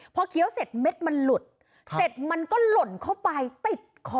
พอเคี้ยวเสร็จเม็ดมันหลุดเสร็จมันก็หล่นเข้าไปติดคอ